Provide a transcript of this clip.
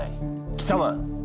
貴様！